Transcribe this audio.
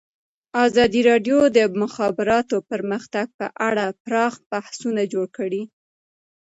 ازادي راډیو د د مخابراتو پرمختګ په اړه پراخ بحثونه جوړ کړي.